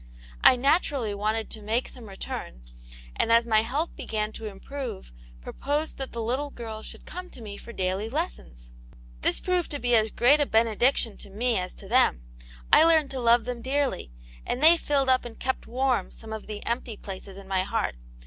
I naturally wanted to make some return, and as my health began to improve, proposed that the little girls should come to me for daily lessons. This proved to be as great a bene diction to me as to them ; I learned to love them dearly, and they filled up and kept warm some of Aunt Janets Hero. 6% the empty places in my heart.